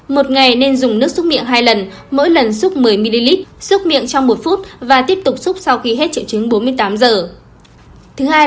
một ngày nên dùng nước xúc miệng hai lần mỗi lần xúc một mươi ml xúc miệng trong một phút và tiếp tục xúc sau khi hết triệu chứng bốn mươi tám giờ